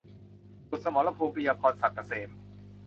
สุดสมรภูมิ - ปิยะพร ศักดิ์เกษม